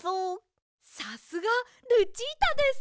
さすがルチータです！